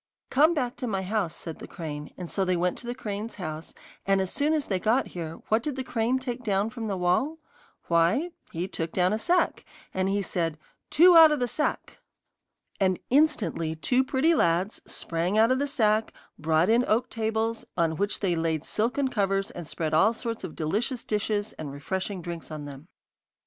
'Come back to my house,' said the crane, and so they went to the crane's house, and as soon as they got there, what did the crane take down from the wall? Why, he took down a sack, and he said: 'Two out of the sack!' And instantly two pretty lads sprang out of the sack, brought in oak tables, on which they laid silken covers, and spread all sorts of delicious dishes and refreshing drinks on them.